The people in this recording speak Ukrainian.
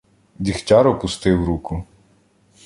Дігтяр опустив руку.